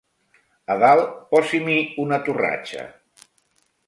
A dalt posi-m'hi una torratxa